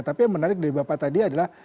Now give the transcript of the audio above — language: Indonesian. tapi yang menarik dari bapak tadi adalah